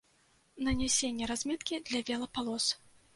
Нанясенне разметкі для велапалос.